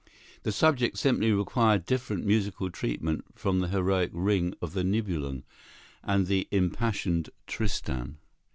The subject simply required different musical treatment from the heroic "Ring of the Nibelung" and the impassioned "Tristan."